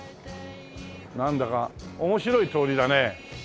なんだか面白い通りだね。